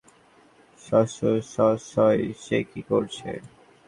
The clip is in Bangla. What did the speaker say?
শশসশস - সে কি করছে?